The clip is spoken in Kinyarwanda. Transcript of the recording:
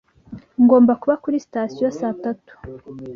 Ngomba kuba kuri sitasiyo saa tatu.